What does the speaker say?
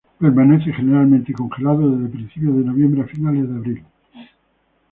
Permanece generalmente congelado desde principios de noviembre a finales de abril.